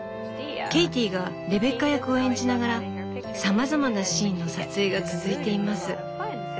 ケイティがレベッカ役を演じながらさまざまなシーンの撮影が続いています。